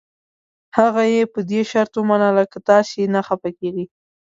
هغه یې په دې شرط ومنله که تاسي نه خفه کېږئ.